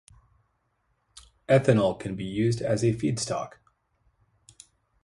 Ethanol can also be used as a feedstock.